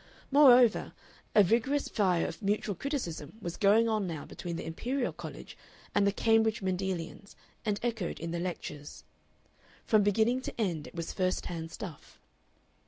Moreover, a vigorous fire of mutual criticism was going on now between the Imperial College and the Cambridge Mendelians and echoed in the lectures. From beginning to end it was first hand stuff.